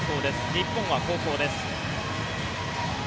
日本は後攻です。